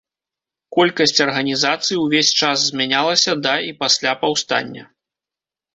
Колькасць арганізацыі ўвесь час змянялася да і пасля паўстання.